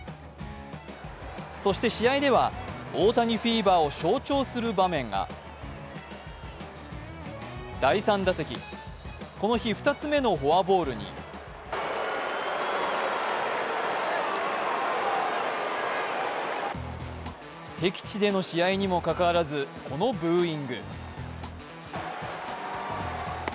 そして試合では大谷フィーバーを象徴する場面が第３打席、この日２つ目のフォアボールに敵地での試合にもかかわらずこのブーイング。